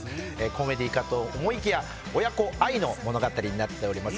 コメディーかと思いきや親子愛の物語になっております。